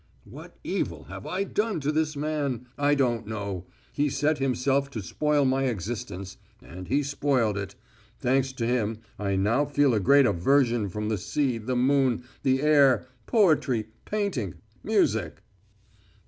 What evil have I done to this man? I don't know. He set himself to spoil my existence, and he spoiled it. Thanks to him, I now feel a great aversion from the sea, the moon, the air, poetry, painting, music.